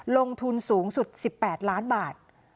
ลงทุนสูงสุด๑๘ล้านบาท